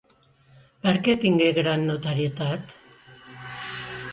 Per què tingué gran notorietat?